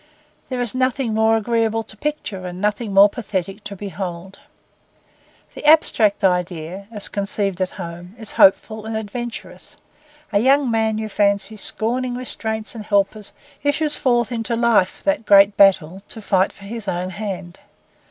There is nothing more agreeable to picture and nothing more pathetic to behold. The abstract idea, as conceived at home, is hopeful and adventurous. A young man, you fancy, scorning restraints and helpers, issues forth into life, that great battle, to fight for his own hand.